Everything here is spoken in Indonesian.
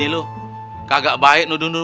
terus kembali ke rumah